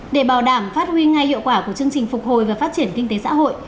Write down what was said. để bảo đảm phát huy ngay hiệu quả của chương trình phục hồi và phát triển kinh tế xã hội